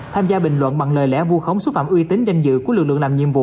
tham gia bình luận bằng lời lẽ vu khống xúc phạm uy tín danh dự của lực lượng làm nhiệm vụ